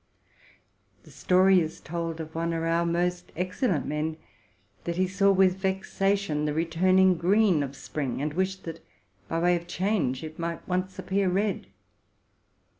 '' 'The story is told of one of our most excellent men, that he saw with vexation the returning green of spring, and wished, that by way of change, it might once appear red.